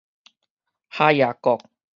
哈耶國